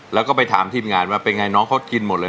แล้วก็ไปถามทีมงานว่าเป็นไงน้องเขากินหมดเลย